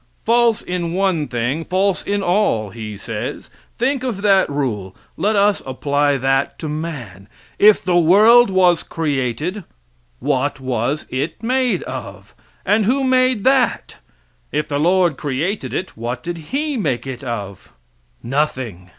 False in one thing, false in all, he says. Think of that rule. Let us apply that to man. If the world was created, what was it make of? and who made that? If the Lord created it, what did He make it of? Nothing.